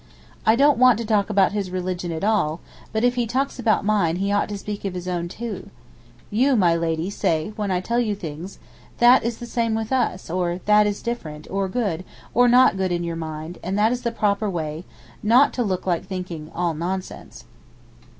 'I don't want to talk about his religion at all, but if he talks about mine he ought to speak of his own, too. You, my Lady, say, when I tell you things, that is the same with us, or that is different, or good, or not good in your mind, and that is the proper way, not to look like thinking "all nonsense."